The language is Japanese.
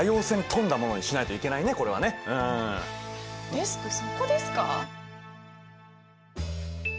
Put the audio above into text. デスクそこですか。